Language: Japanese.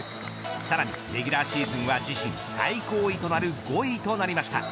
さらにレギュラーシーズンは自身最高位となる５位となりました。